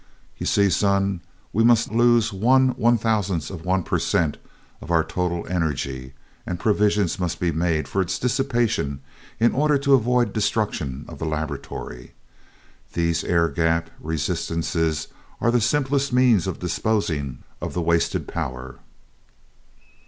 "You see, son, we must lose one one thousandth of one per cent of our total energy, and provision must be made for its dissipation in order to avoid destruction of the laboratory. These air gap resistances are the simplest means of disposing of the wasted power."